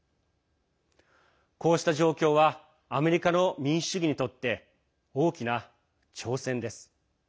こうした状況はアメリカの民主主義にとって大きな挑戦です。